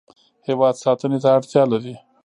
هیواد ساتنې ته اړتیا لري.